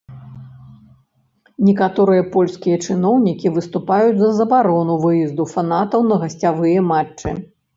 Некаторыя польскія чыноўнікі выступаюць за забарону выезду фанатаў на гасцявыя матчы.